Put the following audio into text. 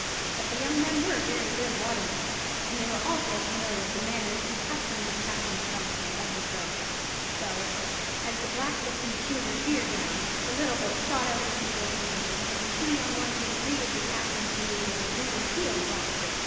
But the young men were very good watermen, and they were also familiar with the manners and customs of Captain Spelsand, of the Crow; so, as the black looking schooner veered round, the little boat shot out into the open water, and the two young oarsmen greeted the captain's manoeuvre with a ringing peal of laughter.